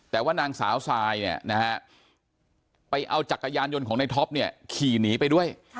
แต่ว่านางสาวทรายเนี่ยนะฮะไปเอาจักรยานยนต์ของในท็อปเนี่ยขี่หนีไปด้วย